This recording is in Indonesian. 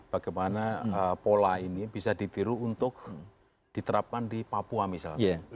bagaimana pola ini bisa ditiru untuk diterapkan di papua misalnya